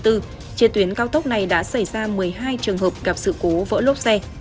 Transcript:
trên tuyến cao tốc này đã xảy ra một mươi hai trường hợp gặp sự cố vỡ lốp xe